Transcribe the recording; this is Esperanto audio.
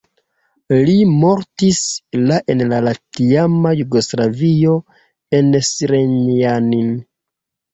Li mortis la en la tiama Jugoslavio en Zrenjanin.